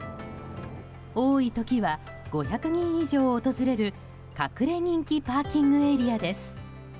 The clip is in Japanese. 多い時は５００人以上訪れる隠れ人気パーキングエリアです。